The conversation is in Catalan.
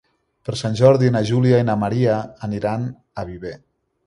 Per Sant Jordi na Júlia i na Maria aniran a Viver.